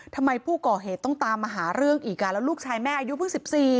ทำไมผู้ก่อเหตุต้องตามมาหาเรื่องอีกแล้วลูกชายแม่อายุเพิ่ง๑๔